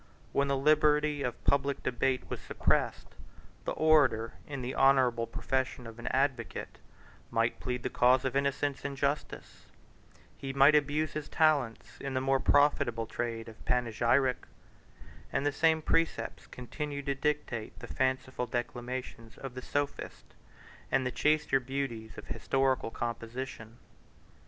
When the liberty of public debate was suppressed, the orator, in the honorable profession of an advocate, might plead the cause of innocence and justice; he might abuse his talents in the more profitable trade of panegyric; and the same precepts continued to dictate the fanciful declamations of the sophist, and the chaster beauties of historical composition.